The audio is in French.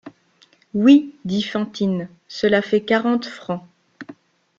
Oui, dit Fantine, cela fait quarante francs.